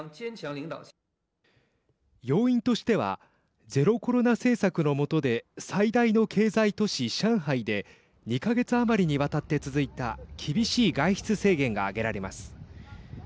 要因としてはゼロコロナ政策の下で最大の経済都市、上海で２か月余りにわたって続いた厳しい外出制限が挙げられます。